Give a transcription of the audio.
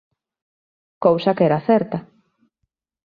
Cousa que era certa.